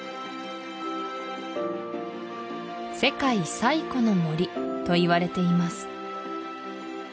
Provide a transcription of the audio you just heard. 世界最古の森といわれています